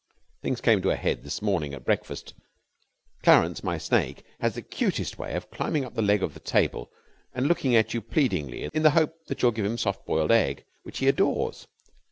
Things came to a head this morning at breakfast. Clarence, my snake, has the cutest way of climbing up the leg of the table and looking at you pleadingly in the hope that you will give him soft boiled egg, which he adores.